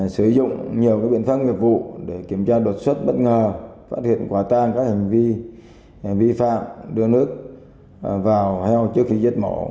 sử dụng nhiều biện pháp nghiệp vụ để kiểm tra đột xuất bất ngờ phát hiện quả tang các hành vi vi phạm đưa nước vào heo trước khi giết mổ